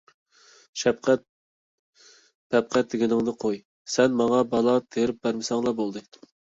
شەپقەت - پەپقەت دېگىنىڭنى قوي، سەن ماڭا بالا تېرىپ بەرمىسەڭلا بولدى.